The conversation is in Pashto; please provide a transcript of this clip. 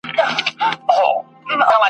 که یې عقل او قوت وي د زمریانو !.